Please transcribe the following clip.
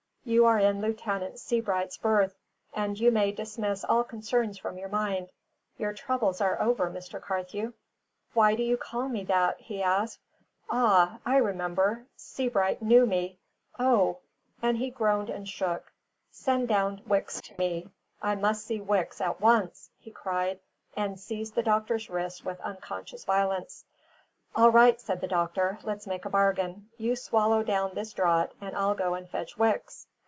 "You are in Lieutenant Sebright's berth, and you may dismiss all concern from your mind. Your troubles are over, Mr. Carthew." "Why do you call me that?" he asked. "Ah, I remember Sebright knew me! O!" and he groaned and shook. "Send down Wicks to me; I must see Wicks at once!" he cried, and seized the doctor's wrist with unconscious violence. "All right," said the doctor. "Let's make a bargain. You swallow down this draught, and I'll go and fetch Wicks."